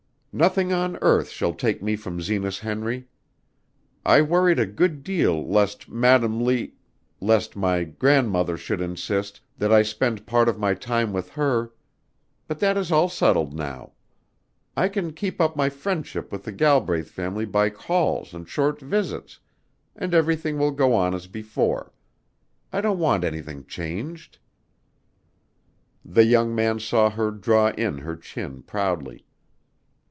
"Nothing on earth shall take me from Zenas Henry! I worried a good deal lest Madam L lest my grandmother should insist that I spend part of my time with her. But that is all settled now. I can keep up my friendship with the Galbraith family by calls and short visits, and everything will go on as before. I don't want anything changed." The young man saw her draw in her chin proudly.